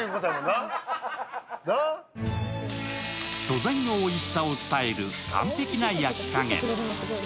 素材のおいしさを伝える完璧な焼き加減。